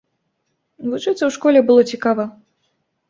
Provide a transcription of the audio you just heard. Вучыцца ў школе было цікава.